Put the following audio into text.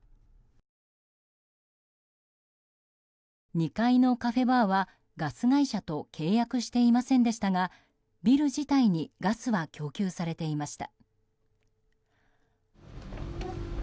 ２階のカフェバーはガス会社と契約していませんでしたがビル自体にガスは供給されていました。